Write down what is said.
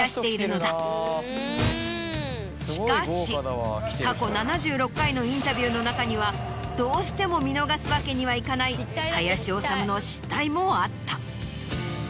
しかし過去７６回のインタビューの中にはどうしても見逃すわけにはいかない林修の失態もあった。